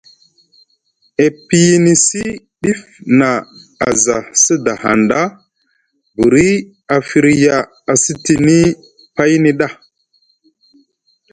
E piyinisi ɗif na aza sda hanɗa buri a firya a sitini payni ɗa.